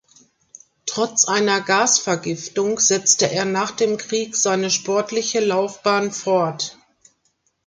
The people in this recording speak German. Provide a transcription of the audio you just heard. Trotz einer Gasvergiftung setzte er nach dem Krieg seine sportliche Laufbahn fort.